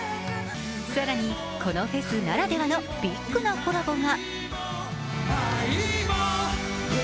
更にこのフェスならではのビッグなコラボが。